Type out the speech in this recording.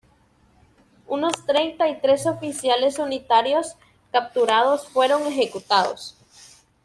Unos treinta y tres oficiales unitarios capturados fueron ejecutados.